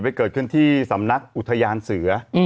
เกิดขึ้นที่สำนักอุทยานเสือ